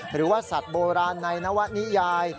หรือว่าสัตว์โบราณในนวนิยาย